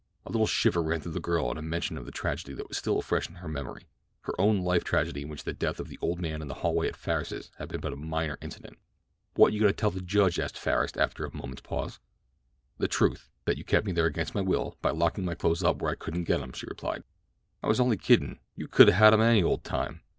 A little shiver ran through the girl at mention of the tragedy that was still fresh in her memory—her own life tragedy in which the death of the old man in the hallway at Farris's had been but a minor incident. "What you goin' to tell the judge?" asked Farris after a moment's pause. "The truth—that you kept me there against my will by locking my clothes up where I couldn't get 'em," she replied. "I was only kiddin—you could 'a' had 'em any old time.